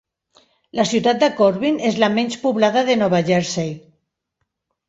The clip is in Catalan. La ciutat de Corbin és la menys poblada de Nova Jersey.